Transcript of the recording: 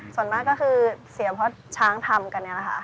ส่วนมากก็คือเสียเพราะช้างทำกันนี่แหละค่ะ